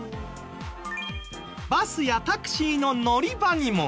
バスやタクシーの乗り場にも。